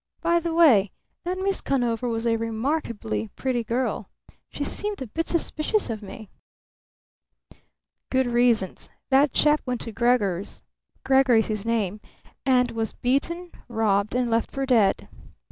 By the way, that Miss Conover was a remarkably pretty girl. She seemed to be a bit suspicious of me." "Good reasons. That chap went to Gregor's Gregor is his name and was beaten, robbed, and left for dead.